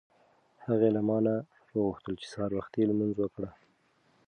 هغې له ما نه وغوښتل چې سهار وختي لمونځ وکړه.